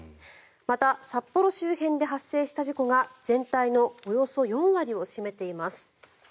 また札幌周辺で発生した事故が全体のおよそ４割を占めています。